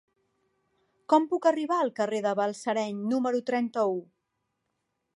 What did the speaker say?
Com puc arribar al carrer de Balsareny número trenta-u?